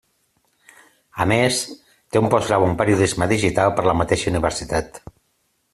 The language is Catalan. A més, té un postgrau en periodisme digital per la mateixa universitat.